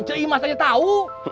ceh imas aja tahu